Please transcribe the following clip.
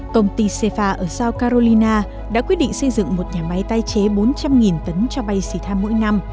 công ty sefa ở south carolina đã quyết định xây dựng một nhà máy tái chế bốn trăm linh tấn cho bay xỉ than mỗi năm